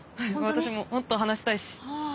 私ももっと話したいし。